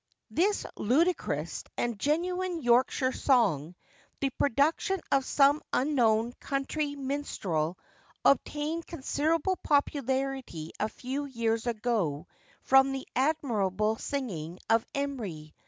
[THIS ludicrous and genuine Yorkshire song, the production of some unknown country minstrel, obtained considerable popularity a few years ago from the admirable singing of Emery.